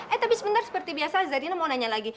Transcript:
eh tapi sebentar seperti biasa dina mau nanya lagi